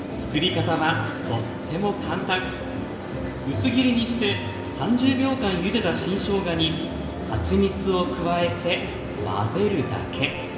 薄切りにして３０秒間ゆでた新しょうがにはちみつを加えて混ぜるだけ。